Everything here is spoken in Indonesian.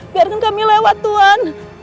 biarkan kami lewat tuhan